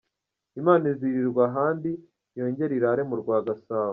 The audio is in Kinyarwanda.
Imana izirirwa ahandi yongere irare mu Rwagasabo.